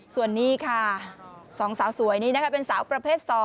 ส่วนนี้ค่ะ๒สาวสวยนี้นะคะเป็นสาวประเภท๒